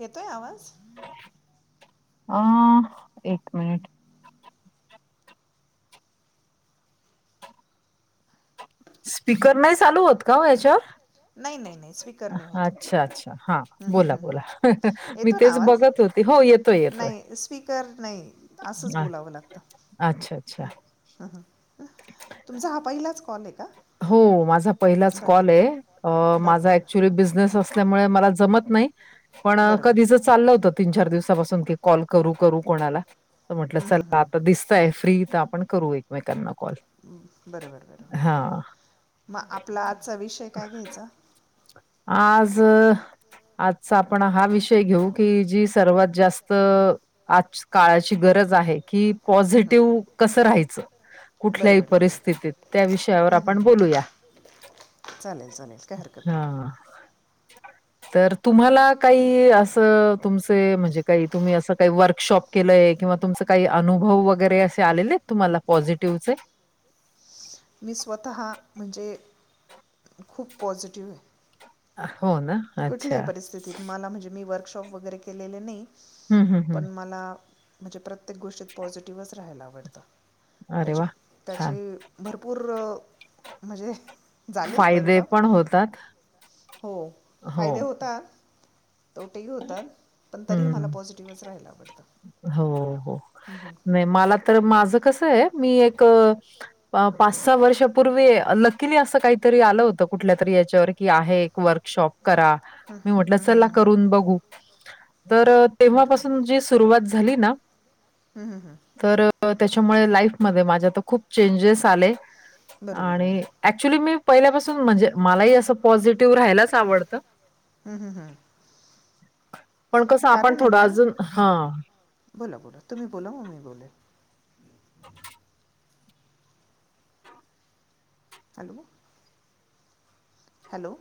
येतोय आवाज? अ- एक मिनिट. स्पीकर नाय चालू होत का ओ याच्यावर? नाय नाय नाय स्पीकर नाय होत. अच्छा अच्छा हां. बोला बोला मी येतो ना तेच आवाज बघत होते हो येतोय येतोय. नाही स्पीकर नाही असंच आ, बोलावं लागतं. अच्छा अच्छा. तुमचा हा पहिलाच कॉल ए? हो माझा पहिलाच कॉल ए बरं माझा बरं बरं क्च्युली बिझनेस अ सल्या मुळे मला जमत नाय पण बरं बरं कधीच चाललं होतं तीन चार दिवसापासून की कॉल करू करू कोणाला त म्हटलं हं, हं, चला हं. आता दिसतय फ्री तर आपण करू एकमेकांना. कॉल. बरोबर बरोबर हां मग आपला आजचा विषय काय घ्यायचा? आज आज आपण हा विषय घेऊ की जी सर्वात जास्त आज काळाची गरज आहे की हं. पॉझिटिव्ह कसं राहायचं. बरं कुठल्याही बरं बरं परिस्थितीत त्या विषयावर हं, हं. आपण बोलूया. चालेल चालेल काय हरकत नाय. [inaudible] तर तुम्हाला काही असं तुमचे म्हणजे काही तुम्ही असं काही वर्कशॉप केलंय किंवा तुमच काही अनुभव वगैरे असे आलेले एत तुम्हाला पॉझिटिव्हचे? मी स्वतः म्हणजे खूप पॉझिटिव्ह ए. हो ना. कुठल्याही अच्छा. परिस्थितीत मला म्हणजे मी वर्कशॉप वगैरे केलेले नाई हं, हं, हं. पण मला म्हणजे प्रत्येक गोष्टीत पॉझिटिव्हच राहायला आवडतं. अरे त्याचे. वाह! त्याचे छान. भरपूर म्हणजे, झाले फायदे परिणाम. पण होतात. हो हो. फायदे होतात. तोटेहि होतात. पण तरी मला हं. पॉझिटिव्हच राहायला आवडत. हो, हो. हम हम नाही मला तर माझ कस आहे. मी एक पाच सहा वर्षापूर्वी लकीली अस काहीतरी आल होत. कुठल्या तरी हेच्यावर्ती आहे एक वर्कशॉप करा. मी म्हटल हम्म, हम्म, चला हम्म, हम्म. करून बगू तर बरोबर तेव्हापासून जी सुरवात झाली ना, हम्म हम्म हम्म. तर त्याच्यामुळे लाईफमध्ये माझ्या तर खूप चेंजेस आले बरोबर बरोबर आणि ऍक्च्युली मी पहिल्यापासून म्हणजे, मलाही असं पॉझिटिव्ह राहायलाच आवडत- हम्म हम्म हम्म पण कस आपण कारण आहे थोड ना अजून हा बोला- बोला तुम्ही बोला मग मी बोलेन. हॅलो. हॅलो.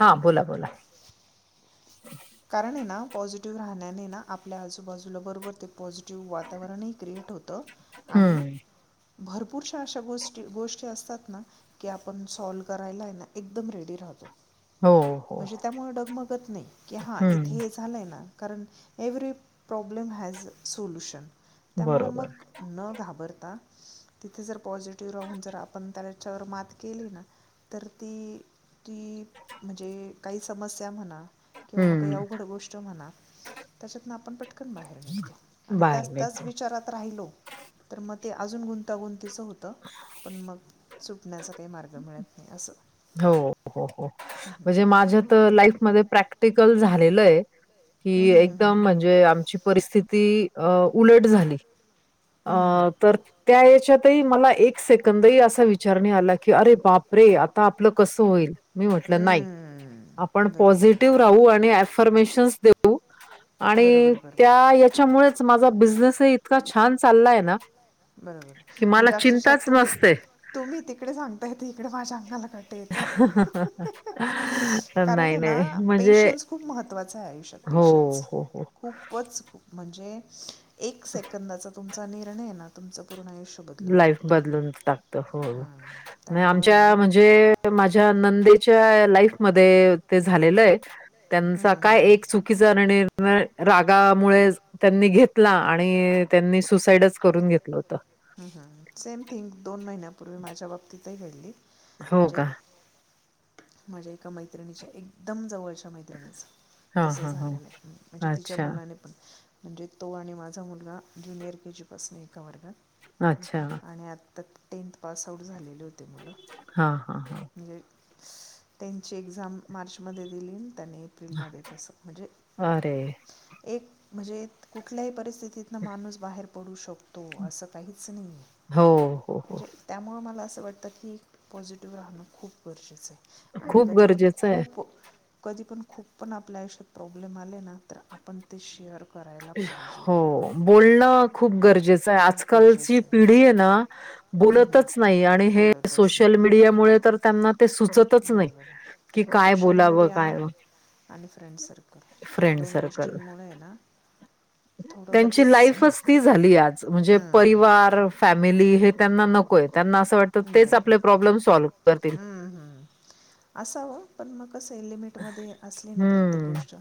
हा बोला बोला कारण आहे ना पॉझिटिव्ह राहण्याने ना आपल्या आजूबाजूला बरोबर ते पॉझिटिव्ह वाता- वातावरणही क्रिएट होत आणि हं. भरपूरशा अशा गोष्टी गोष्टी असतात ना की आपण सॉल्व करायला आहे ना, एकदम रेडी राहतो. हो हो. म्हणजे त्यामुळे डगमगत नाही की हा हं. इथेच झाल आहे ना, कारण every problem has a solution. त्यामुळ बरोबर. मग न घाबरता तिथे जर पॉझिटिव्ह राहून जर आपण त्याच्यावर मात केली ना तर ती की म्हणजे काही समस्या म्हणा. किंवा मग काही हं. अवघड गोष्ट म्हणा त्याच्यातन आपण पटकन बाहेर निघतो आणि त्याच बाहेर त्याच विचारात राहिलो तर मग ते अजून गुंतागुंतीचं होत पण मग सुटण्याचा काही मार्ग त्यामुळे अस हो हो हो, म्हणजे माझ्या तर लाईफमध्ये प्रॅक्टिकल झालेल हे हं कि, हं हं हं एकदम म्हणजे आमची परिस्थिती उलट झाली. हं हं हं अं तर त्या याच्यातही मला एक सेकदही असा विचारणी आला की अरे बापरे आता आपल कस होईल. मी म्हटल नाही, हम्म. आपण बरोबर पॉझिटिव्ह बरोबर राहू आणि अऍफर्मेशन्स आणि बरोबर बरोबर त्या याच्यामुळेच माझा बिझनेस इतका छान चाललाय ना बरोबर की मला म्हणजे अक्षरशः चिंताच तुम्ही नसते. तुम्ही तिकडे सांगताय त हिकडे माझ्या अंगाला काटे येताय कारण नाही, आहे ना, नाही. म्हणजे पेशन्स खूप महत्वाचा आहे आयुष्यात. हो पेशन्स हो हो खूपच खूप म्हणजे एक सेकंदाचा तुमचा निर्णय ना तुमच पूर्ण आयुष्य बदलून लाईफ टाकतो बदलून टाकत. हो हम्म. त्यामुळे आहे आमच्या ना म्हणजे माझ्या नंदेच्या लाईफ मध्ये ते झालेल आहे त्यांचा काय एक चू- [inaudible] आणि रागामुळे. त्यांनी घेतला आणि त्यांनी सुसाइडच करून घेतलं होतं. हम हम सेम थिंग दोन महिन्यापूर्वी माझ्या बाबतीतही घडली. हो का. म्हणजे माझ्या एका मैत्रिणीच्या एक एकदम जवळच्या मैत्रिणीचं हां, तसं हां, हां. झालेलं आहे म्हणजे तिच्या अच्छा, मुलाने पण म्हणजे तो आणि माझा मुलगा ज्युनियर के जी पासून एका वर्गात अच्छा! आणि आत्ता टेंथ पास आउट झालेले होते मुलं हां, हां, हां. म्हणजे त्यांची एक्झाम मार्चमध्ये दिली त्यांनी एप्रिलमध्ये तसं म्हणजे अरे! एक म्हणजे कुठल्याही परिस्थितीत ना माणूस बाहेर पडू शकतो असं काहीच नाही आहे हो, हो, हो. म्हणजे त्यामुळं मला असं वाटतं की पॉझिटिव्ह राहणं खूप गरजेचं आहे. आणि खूप कधी पण गरजेचं आहे. खूप कधी पण खूप पण आपल्या आयुष्यात प्रॉब्लेम आले ना तर आपण ते शेअर कराय हो बोलणं खूप गरजेचं खूप आजकालची गरजेचं पिढी आहे ना आहे बोलतच नाही आणि हे बोलतच सोशल नाही मीडियामुळे त्यांना ते सुचतच नाही बरोबर आहे कि काय सोशल बोलावं मीडिया काय आणि फ्रेंड सर्कल या फ्रेंड दोन सर्कल. गोष्टींमुळे ना येवढं त्यांची लगेच लाईफच ती झाली आज म्हणजे परिवार फॅमिली हे त्यांना नकोय त्यांना असं वाट तर तेच बरोबर आपले प्रॉब्लेम सॉल्व करतील. हम्म हम. असावं पण मग कसं लिमिटमध्ये असली ना प्रत्येक हं. गोष्ट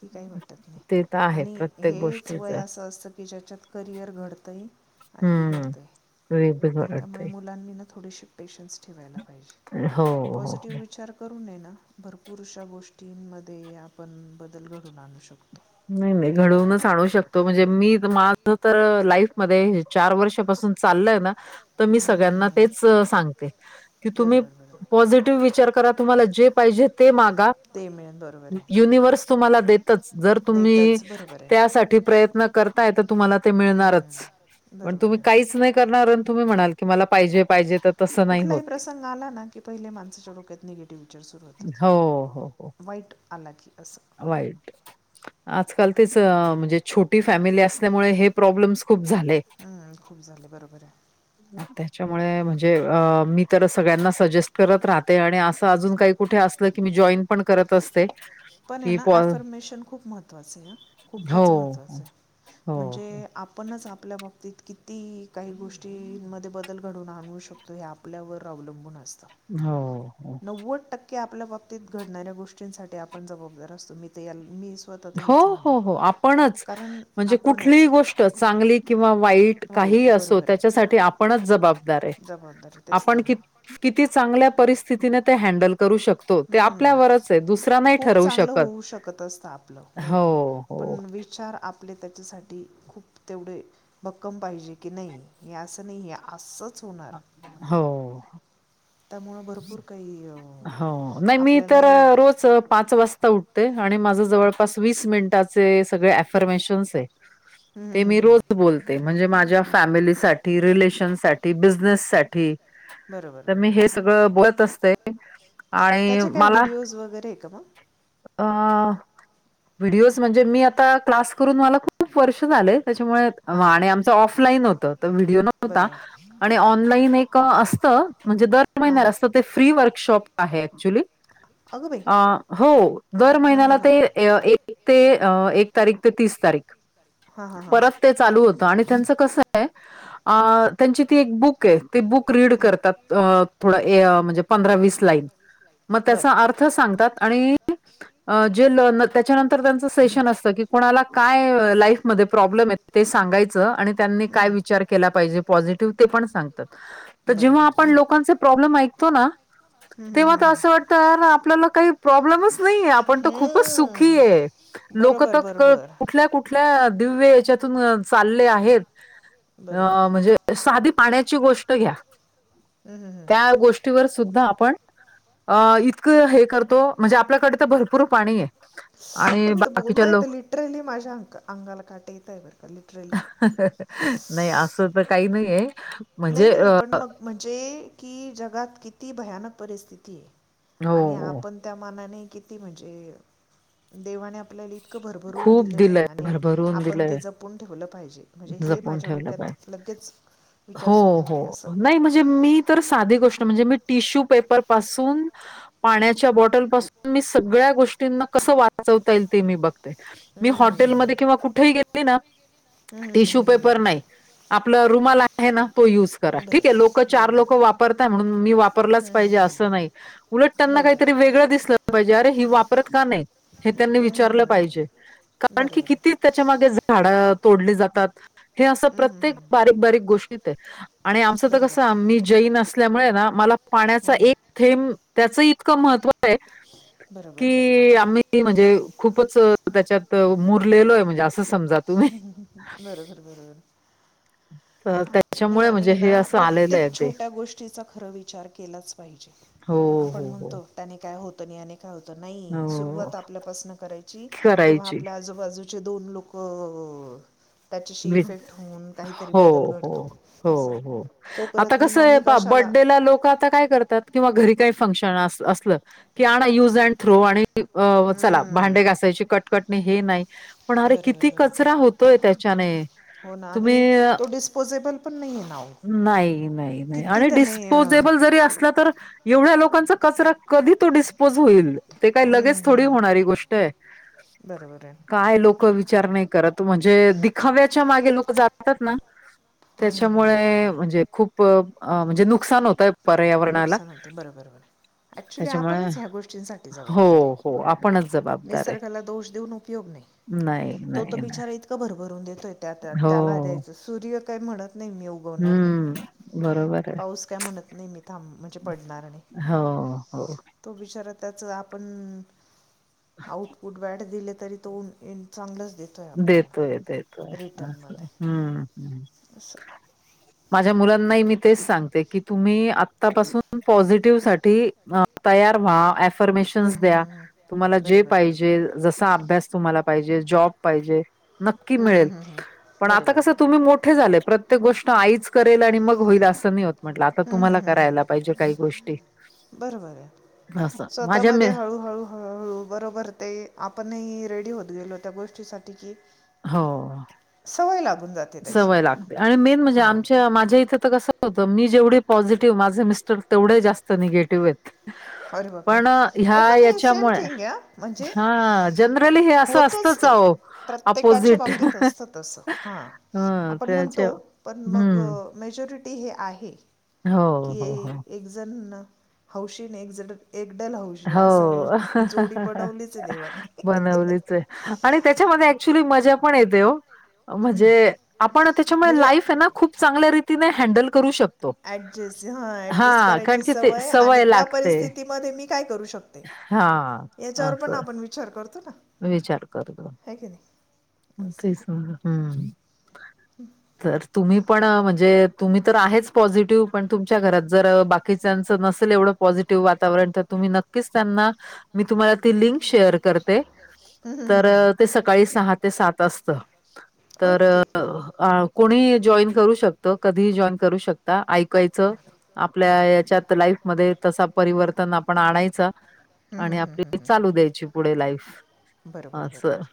की काही वाटत नाही. ते तर आहे आणि प्रत्येक हेच वय गोष्टीचं. असं असतं की ज्याच्यात करिअर घडतंय आणि बिघडतंय. होय बिघड त्यामुळे मुलांनी ना थोडीशी पेशन्स ठेवायला पाहिजे हो, हो. पॉझिटिव्ह विचार करू नये ना भरपूर अशा गोष्टींमध्ये आपण बदल घडून आणू शकतो. नाही नाही घडवूनच आणू शकतो हम्म, म्हणजे मी मा तर लाईफ मध्ये हे चार वर्षापासून चाललंय ना तर मी हम्म, हम्म. सगळ्यांना तेच सांगते. की तुम्ही बरोबर बरोबर पॉझिटिव्ह विचार करा तुम्हाला जे पाहिजे ते मागा. ते मिळेल बरोबर आहे युनिव्हर्स तुम्हाला देतच. जर तुम्ही देतच बरोबर आहे त्यासाठी प्रयत्न करताय तर तुम्हाला ते हम्म, हम्म, मिळणारच. हम्म. पण बरोबर तुम्ही आहे काहीच नाही करणार अन् तुम्ही म्हणाल की मला पाहिजे पाहिजे तर तसं नाही कुठलाही होत. प्रसंग आला ना की पहिले माणसाच्या डोक्यात निगेटिव्ह विचार सुरू होतात. हो, हो, हो. वाईट आला की असं. वाईट. आजकाल तेच म्हणजे छोटी फॅमिली असल्यामुळे हे प्रॉब्लेमस खूप झाले. हम्म खूप झाले बरोबर आहे. हम. ह्याच्यामुळे म्हणजे मी तर सगळ्यांना सजेस्ट करत राहते आणि असं अजून काही कुठे असलं की मी जॉईन पण करत असते. पण आहे की ना पॉ अफर्मेशन खूप महत्त्वाचं आहे. हो, खूपच महत्वाचं हो, आहे हो, म्हणजे हो, आपणच आपल्या बाबतीत किती काही गोष्टींमध्ये बदल घडवून आणू शकतो. लयआपल्यावर अवलंबून असत. हो. नव्वद टक्के आपल्या बाबतीत घडणाऱ्या गोष्टींसाठी आपण जबाबदार असतो मी तयाल मीस हो हो हो आपणच म्हणजे आपणच कुठलीही गोष्ट चांगली किंवा वाईट. काही वाईट असो बरोबर आहे त्याच्यासाठी आपणच जबाबदार हे जबाबदार तेच आपण तर कीत ना किती चांगल्या परिस्थितीने ते हॅडल करू शक तो ते हम्म. आपल्यावरच ये दुसरा नाही ठरवू शकत. हू शकत असत आपलं. भरपूर हो, पण हो, विचार आपले त्याच्यासाठी खूप तेवढे भक्कम पाहिजे की नाही हे असं नाही असंच. हो. त्यामुंळ भरपूर काही अ. हो. नाही मी तर रोच पाच वाजता उठते आणि माझं जवळपास वीस मिनिटाचे सगळे ऍफर्मेशन्स हे. हं, ते हं, मी हं, रोज बोलते म्हणजे माझ्या हं. फॅमिलीसाठ ती रिलेशन साठी बिझनेस साठी बरोबर त मी बरोबर हे सगळं बोलत असते. आणि त्याचे काही माला व्हिडिओज वगैरे आहे का मग अ व्हिडिओज म्हणजे मी आता क्लास करून मला खूप वर्ष झालय त्याच्यामुळे म हां हां आणि आमचं ऑफलाईन होत तर व्हिडिओ नव्हता. बरोबर आणि ऑनलाईन एक असतं म्हणजे दर हां महिन्यात हां असतं ते फ्री वर्कशॉप आहे ऍक्च्युली. अगं बाई अ हो दर हां हां महिन्याला हां ते ए एक ते एक तारीख ते तीस तारीख हां हां हां हां परत ते चालू होतं आणि त्यांच कसं हे अ त्यांची ती एक बुक हे. ते बुक रीड हां करतात अ ए थोडं म्हणजे पंधरा वीस लाईन मग बरं त्याचा अर्थ थ सांगतात आणि अ जे लन त्याच्यानंतर त्यांच सेशन असतं की कोणाला काय लाईफ मध्ये प्रॉब्लेम हेत. ते सांगायचं आणि त्यांनी काय विचार केला पाहिजे पॉझिटिव्ह ते पण सांगतात. त जेव्हा बरोबर आपण बरोबर लोकांचे प्रॉब्लेम ऐकतो ना. हं, हं, तेव्हा हं, तर हं. असं वाटतं यार आपल्याला काही प्रॉब्लेमच नाहीे हे आपण त खूपच सुखी हं. हे. लोकं त बरोबर क बरोबर कुठल्या कुठं कुठल्या दिव्य याच्यातून चालले आहेत बरोबर अं म्हणजे साधी पाण्याची गोष्ट घ्या हम्म, हम्म, हम्म. त्या गोष्टीवर सुद्धा आपण अ इतकं हे करतो म्हणजे आपल्याकडे तर भरपूर पाणी हे. तुम्ही त बोलताय त लिटरली माझ्या आंक अंगाला काटं येतायं बरं का लिटरली. नाही आसं त काही नाहीये. नाही म्हणजे नाही अ, पण मग म्हणजे की जगात किती भयानक परिस्थिती हे. हो, आणि हो. आपण त्या मानाने किती म्हणजे देवाने आपल्याली इतकं भरभरून खूप दिलेलं हे दिलंय आणि भरभरून आपण ते दिलंय जपून ठेवलं पाहिजे, म्हणजे हे जपून माझ्या ठेवलं पाहिजे. डोक्यात लगेच. विचार हो सुरू हो झाले असं नाही म्हणजे मी तर साधी गोष्ट म्हणजे मी टिश्यू पेपर पासून पाण्याच्या बॉटल पासून मी सगळ्या गोष्टींना कसं वाचवता येईल ते मी बघते. मी हम्म. हॉटेलमध्ये किंवा कुठेही गेली ना हम्म, हम्म, टिश्यू हम्म, पेपर हम्म. नाही. आपलं रुमाला आहे ना तो युज करा बरं ठीक हे लोकं चार लोकं बरोबर वापरताय म्हणून मी वापरलाच हम्म, हम्म, पाहिजे आसं हम्म. नाही. उलट त्यांना बरोबर आहे काहीतरी वेगळं दिसलं पाहिजे अरे ही वापरत का नाही हे त्यांनी हम्म, हम्म, विचारलं हम्म, हम्म. पाहिजेत कारण की बरोबर आहे किती त्याच्या माग झाडं तोडली जातात हे असं हम्म, हम्म, प्रत्येक हम्म. बारीक, बारीक गोष्टीत आहे आणि आमचं तर बरोबर कसं आहे. आ मी जैन अस ल्यामुळे ना मला पाण्याचा एक थेंब त्याच इतकं महत्व बरोबर बरोबर की आम्ही ती म्हणजे खूप खूपच त्याच्यात मुरलेलोय म्हणजे असं समजा तुम्ही बरोबर, बरोबर तर नाही त्याच्यामुळे आणि म्हणजे आहे हे ना असं आलेलं आहे प्रत्येक ते छोट्या गोष् चा खरं विचार केलाच पाहिजे हो आपण हो हो. म्हणतो त्याने काय होतं आणि याने काय होतं नाही हो सुरुवात आपल्यापासनं करायची तेव्हा करायची आपल्या आजू बाजूचे दोन लोकं त्याच्याशी वि इफेक्ट होऊन काहीतरी हो बदल घडत हो, हो आता कसं मग आहे मी पहा कशाला बड्डेला लोकं आता काय करतात किंवा घरी काही फंक्शन असलं की आणा युज अँड थ्रो आणि ती अ चला हम्म भांडे घासायची कटकट नाही आणि हे नाही पण अरे बरोबर किती बरं कचरा होतोय त्या हो [unintelligible] ना तुम्ही आणि तो डिस्पोजेबल पण नाही आहे ना हो. नाही, नाही किती आणि त्याने अं, डिस्पोजेबल जरी असलं तर एवढ्या लोकांचा कचरा कधी तो डिस्पोज होईल ते काय हम्म, हम्म, लगेच हम्म, थोडी हम्म. होणारी गोष्ट आहे बरोबर आहे काय लोकं विचार नाही करत म्हणजे दिखाव्याच्या मागे लोकं जातात ना हम्म, हम्म, हम्म. त्याच्यामुळे म्हणजे खूप प म्हणजे नुकसान होतय पर्यावरणाला नुकसान होते बरोबर बरोबर ॲक्च्युली त्याच्यामुळे आपणच ह्या गोष्टींसाठी जबाबदार हो, आहे हो आपणच जबाबदार आहे निसर्गाला दोष देऊन उपयोग नाही नाही, नाही, तो नाही बिचारा तो इतकं भरभरून देतोय त्या त्याला हो. द्यायचं सूर्य काय म्हणत नाही मी उगवणार नाही हं. बरोबर आहे. पाऊस काय म्हणत नाही मी थांब म्हणजे पडणार हो, हो. तो बिचारा त्याच आपण आउटपुट बॅड दिले तरी तो चांगलाच देइल देतोय, देतोय हम्म अस [unintelligible] माझ्या मुलांनाही मी तेच सांगते की तुम्ही आतापासून पॉझिटिव्ह साठी अ तयार व एप फर्मेशन हम्म, हम्म, द्या हम्म. तुम्हाला हम्म. जे बरोबर बरोबर पाहिजे जसा अभ्यास तुम्हाला पाहिजे जॉब पाहिजेल नक्की हम्म, हम्म, मिळेल हम्म, हम्म. पण आता बरोबर कस हम्म, तुम्ही मोठे झाले प्रत्येक गोष्ट आईच करेल आणि मग होईल असं मी होत म्हंटलं आता तुम्हांला करायला पाहिजे काही गोष्टी बर, बर आहे असं. माझ्या मे स्वतःमध्ये हळू, हळू बरोबर ते आपणही रेडी होत गेलो त्या गोष्टीसाठी की हो सवय लागून जाते त्याची सवय लागते आणि मेन म्हणजे हां आमच्या माझ्या इथ कस होत मी जेवढे पॉझिटिव्ह माझे मिस्टर तेवढे जास्त निगेटिव्ह आहेत अरे बापरे पण अ, ह्या ओपण हे सेम याच्यामुळे थिंग या म्हणजे हां, जनरली हे असं होतच असतंच ते अहो, प्रत्येकाच्या अपोझिट. बाबतीत असत तस हा हं, आपण म्हणतो त्याच्या पण मग हं. मेजॉरिटी ही आहे हो, की हो, हो. एक जण हौश एकजड एकडल हौशी हो. असं जोडी बनवलीच देवानी बनवलीच आणि त्याच्यामध्ये ऍक्च्युली मजा पण येते ओ हम्म. म्हणजे आपण त्याच्यामुळे लाईफ म्हणजे आहे ना खूप चांगल्या रितीने हँडल करू शक ऍडजेस्ट हा ऍडजस्ट कारण करायची की ते सवय आणि त्या लागते. परिस्थितीमध्ये मी काय करू शक हां, यांच्यावर पणं आपणं विचांर करतो नां विचांर करतो सायं कायं नाहीं तेचं मं हम्मं तरं तुम्हीं पणं म्हणजे तुम्हीं तरं आहेच पॉझिटिव्ह पणं तुमच्या घरांत जरं बाकी बाकिच्यांच नसेल एवढं पॉझिटिव्ह वातांवरण तरं तुम्हीं नक्कीच त्यांना मी तुम्हांला ती लिंक शेअर करते आहे तरं ते सकाळीं सहा ते सात असतं तरं ओके अं कोणीही जॉईन करूं शकतं कधींही जॉईन करूं शकतं ऐकायचं आपल्या बरोबर यांच्यात लाईफ मध्यें तसां परिवर्तन आपणं आणांयचां आणी बरं आपली चालूं द्यायची पुढे लाईफ बरोबर असं. बरोबर